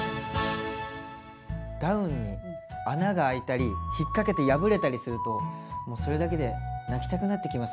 ダウンに穴があいたり引っ掛けて破れたりするともうそれだけで泣きたくなってきますよね。